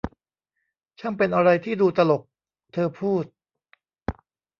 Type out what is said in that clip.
ช่างเป็นอะไรที่ดูตลก ! เธอพูด